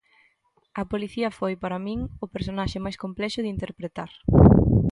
A policía foi, para min, o personaxe máis complexo de interpretar.